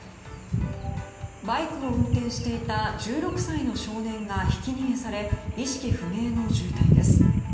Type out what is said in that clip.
バイクを運転していた１６歳の少年がひき逃げされ意識不明の重体です。